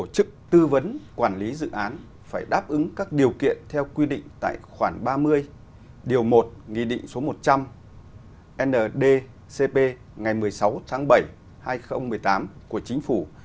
tư vấn quản lý dự án phải đáp ứng các điều kiện theo quy định tại khoản ba mươi điều một nghị định số một trăm linh ndcp ngày một mươi sáu tháng bảy hai nghìn một mươi tám của chính phủ